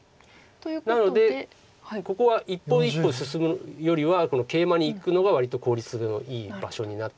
なのでここは一歩一歩進むよりはケイマにいくのが割と効率のいい場所になって。